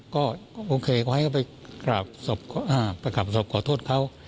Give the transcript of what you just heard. ก็โอเคขอให้เขาไปกราบศพขอโทษเขา